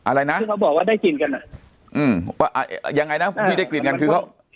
อะไรนะที่เขาบอกว่าได้กลิ่นกันอ่ะอืมว่าอ่ายังไงนะที่ได้กลิ่นกันคือเขา